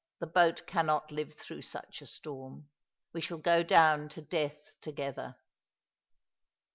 The boat cannot live through such a storm ! We shall go down to death together